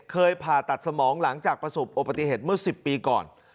เคยผ่าตัดสมองหลังจากประสุทธิ์โอปฏิเหตุเมื่อ๑๐ปีก่อน